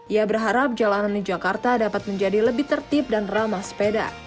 ia berharap jalanan di jakarta dapat menjadi lebih tertib dan ramah sepeda